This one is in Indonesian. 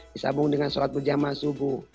disambung dengan sholat berjamaah subuh